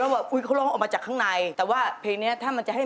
หยุดแล้วนี่ร้องสิ